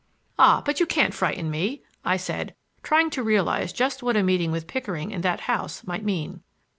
"Ah, but you can't frighten me," I said, trying to realize just what a meeting with Pickering in that house might mean.